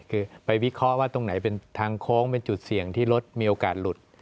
คือไปวิเคราะห์ว่าตรงไหนเป็นทางโค้งเป็นจุดเสี่ยงที่รถมีโอกาสหลุด